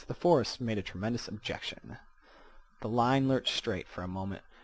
The forest made a tremendous objection. The line lurched straight for a moment.